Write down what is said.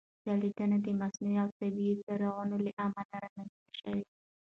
ځلېدنه د مصنوعي او طبیعي څراغونو له امله رامنځته شوې.